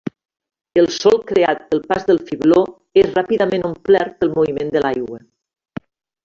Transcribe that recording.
El solc creat pel pas del fibló és ràpidament omplert pel moviment de l'aigua.